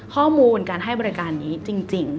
ข้อมูลการให้บริการนี้จริง